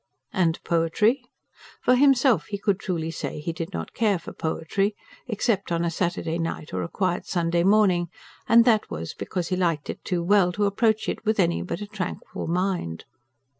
And poetry? For himself he could truly say he did not care for poetry ... except on a Saturday night or a quiet Sunday morning; and that was, because he liked it too well to approach it with any but a tranquil mind.